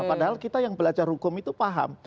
padahal kita yang belajar hukum itu paham